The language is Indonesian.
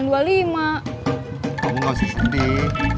kamu gak usah sedih